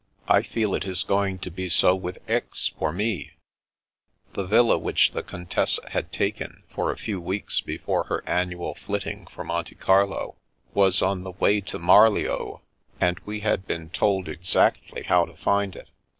I feel it is going to be so with Aix, for me." The villa which the Contessa had taken for a few The Great Paolo 237 weeks before her annual flitting for Monte Carlo, was on the way to Mariioz, and we had been told exactly how to find it.